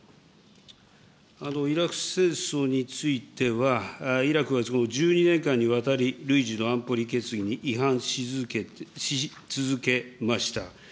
イラク戦争については、イラクは１２年間にわたり、累次の安保理決議に違反し続けました。